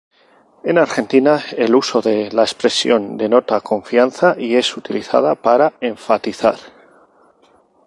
En Argentina, el uso de la expresión denota confianza y es utilizada para enfatizar.